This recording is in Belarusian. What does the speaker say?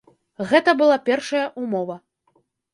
Гэта была першая ўмова.